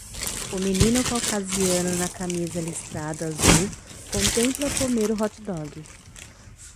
O menino caucasiano na camisa listrada azul contempla comer o hotdog.